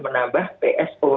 justru pemerintah berusaha untuk